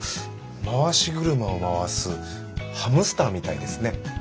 回し車を回すハムスターみたいですね。